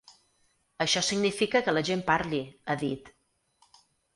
Això significa que la gent parli, ha dit.